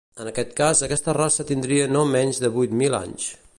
En aquest cas, aquesta raça tindria no menys de vuit mil anys.